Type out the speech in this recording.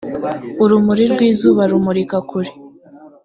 urumuri rwizuba rumurika kure.